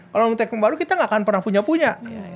kalau nunggu teknologi baru kita nggak akan pernah punya punya